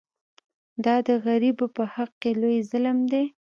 دا د غریبو په حق کې لوی ظلم دی.